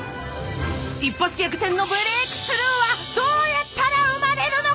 一発逆転のブレイクスルーはどうやったら生まれるのか？